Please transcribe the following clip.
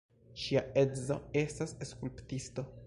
Ŝia edzo estas skulptisto.